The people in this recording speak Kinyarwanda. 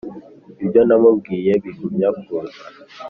ibyo namubwiye bigumya kuza